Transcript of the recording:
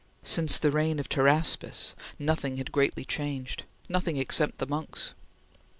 Since the reign of Pteraspis, nothing had greatly changed; nothing except the monks.